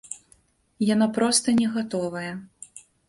Яна проста не гатовая.